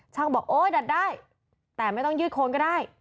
บอกโอ๊ยดัดได้แต่ไม่ต้องยืดโคนก็ได้